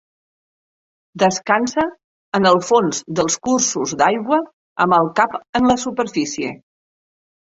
Descansa en el fons dels cursos d'aigua amb el cap en la superfície.